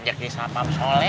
ajak disapa sole